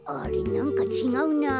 なんかちがうな。